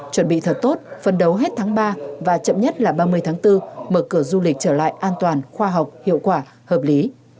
chuẩn bị thật tốt phân đấu hết tháng ba và chậm nhất là ba mươi tháng bốn mở cửa du lịch trở lại an toàn khoa học hiệu quả hợp lý